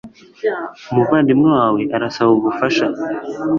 Umuvandimwe wawe arasaba ubufasha